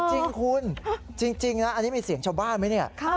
จริงคุณจริงอันนี้มีเสียงชาวบ้านมั้ยนะ